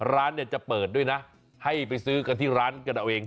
ร้านเนี่ยจะเปิดด้วยนะให้ไปซื้อกันที่ร้านกันเอาเอง